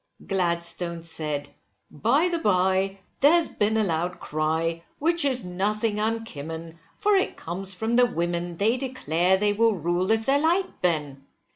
Gladstone said by the bye, there has been a loud cry, which is nothing unkimmon, for it comes from the women, they declare they will rule if they like, Ben.